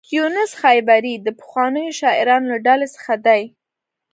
یونس خیبري د پخوانیو شاعرانو له ډلې څخه دی.